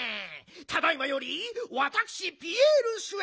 ただいまよりわたくしピエールしゅ